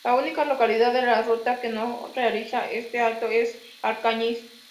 La única localidad de la Ruta que no realiza este acto es Alcañiz.